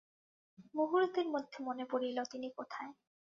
মুহূর্তের মধ্যে মনে পড়িল, তিনি কোথায়।